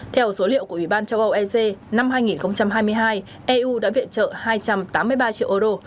theo số liệu của ủy ban châu âu ec năm hai nghìn hai mươi hai eu đã viện trợ hai trăm tám mươi ba triệu euro